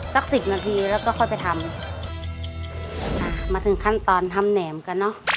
สิบนาทีแล้วก็ค่อยไปทำอ่ามาถึงขั้นตอนทำแหนมกันเนอะ